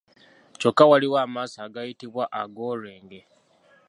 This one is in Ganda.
Kyokka waliwo amaaso agayitibwa ag’olwenge.